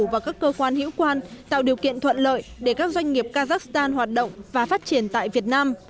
và các cơ quan hữu quan tạo điều kiện thuận lợi để các doanh nghiệp kazakhstan hoạt động và phát triển tại việt nam